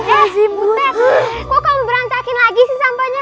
eh butet kok kamu berantakin lagi sih sampahnya